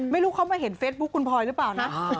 ไม่รู้เขามาเห็นเฟซบุ๊คคุณพลอยหรือเปล่านะ